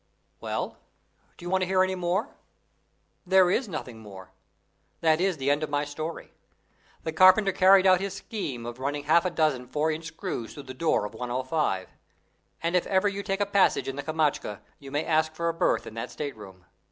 Well, do you want to hear any more? There is nothing more. That is the end of my story. The carpenter carried out his scheme of running half a dozen four inch screws through the door of 105; and if ever you take a passage in the Kamtschatka, you may ask for a berth in that state room.